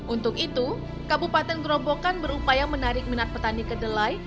untuk itu kabupaten gerobokan berupaya menarik minat petani kedelai